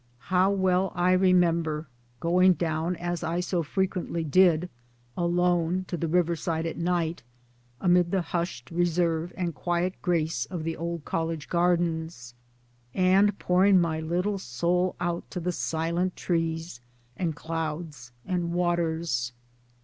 s How well I remember going down, as I so fre quently did, alone to the riverside at night, amid the hushed reserve and quiet grace of the old College gardens, and pouring my little soul out to the silent trees and clouds and waters